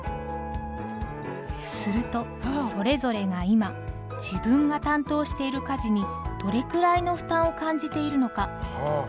するとそれぞれが今自分が担当している家事にどれくらいの負担を感じているのかグラフで可視化してくれます。